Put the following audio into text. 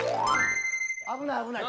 危ない危ない。